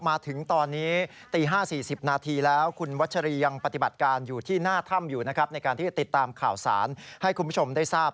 มาถึงตอนนี้ตี๕๔๐นาทีแล้วคุณวัชรียังปฏิบัติการอยู่ที่หน้าถ้ำอยู่นะครับในการที่จะติดตามข่าวสารให้คุณผู้ชมได้ทราบ